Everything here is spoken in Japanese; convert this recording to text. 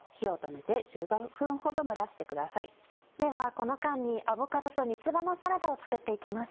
この間に「アボカドと三つ葉のサラダ」を作って行きます。